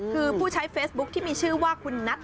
คือผู้ใช้เฟซบุ๊คที่มีชื่อว่าคุณนัท